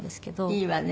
いいわね。